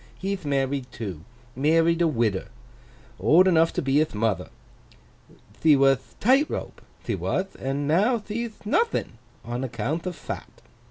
He'th married too. Married a widder. Old enough to be hith mother. Thee wath Tightrope, thee wath, and now thee'th nothing—on accounth of fat.